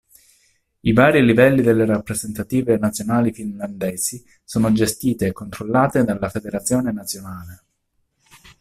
I vari livelli delle rappresentative nazionali finlandesi sono gestite e controllate dalla federazione nazionale.